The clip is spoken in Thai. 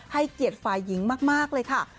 เกียรติฝ่ายหญิงมากเลยค่ะ